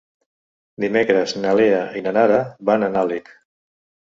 Dimecres na Lea i na Nara van a Nalec.